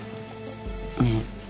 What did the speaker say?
ねえ？